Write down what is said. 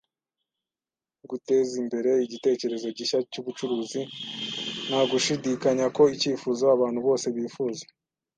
Gutezimbere igitekerezo gishya cyubucuruzi ntagushidikanya ko icyifuzo abantu bose bifuza.